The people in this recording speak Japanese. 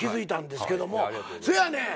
そやねん！